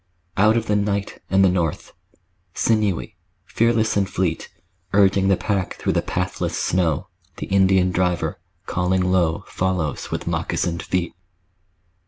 Out of the night and the north, Sinewy, fearless and fleet, Urging the pack through the pathless snow, The Indian driver, calling low, Follows with moccasined feet.